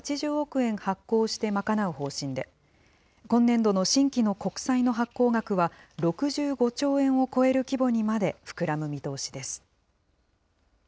円発行して賄う方針で、今年度の新規の国債の発行額は６５兆円を超える規模にまで膨らむ見通しです。